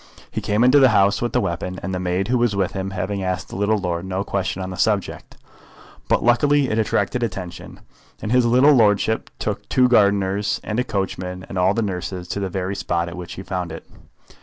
He came into the house with the weapon, the maid who was with him having asked the little lord no question on the subject. But luckily it attracted attention, and his little lordship took two gardeners and a coachman and all the nurses to the very spot at which he found it.